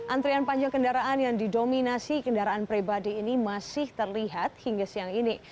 antrian panjang kendaraan yang didominasi kendaraan pribadi ini masih terlihat hingga siang ini